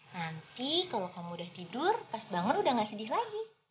nanti kalau kamu udah tidur pas banget udah gak sedih lagi